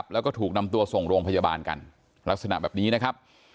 แล้วก็ถูกนำตัวส่งโรงพยาบาลกันลักษณะแบบนี้นะครับ